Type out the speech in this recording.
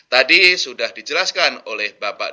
tadi sudah dijelaskan oleh bapak